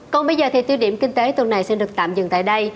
còn bây giờ thì tiêu điểm kinh tế tuần này xin được tạm dừng tại đây